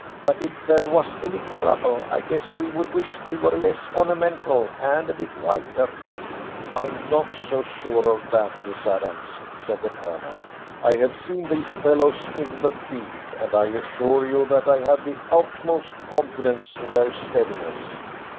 "But if there was any trouble, I guess we would wish they were less ornamental and a bit whiter." "I am not so sure of that, Miss Adams," said the Colonel. "I have seen these fellows in the field, and I assure you that I have the utmost confidence in their steadiness."